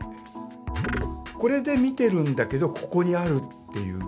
これで見てるんだけどここにあるという。